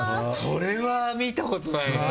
それは見たことないね。